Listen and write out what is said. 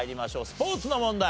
スポーツの問題。